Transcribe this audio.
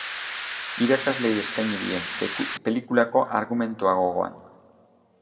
Irakasleei eskaini die, pelikulako argumentua gogoan.